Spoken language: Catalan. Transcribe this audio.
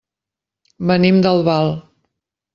Venim d'Albal.